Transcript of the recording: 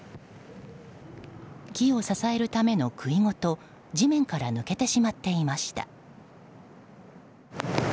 木を支えるための杭ごと地面から抜けてしまっていました。